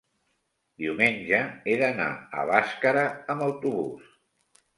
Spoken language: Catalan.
diumenge he d'anar a Bàscara amb autobús.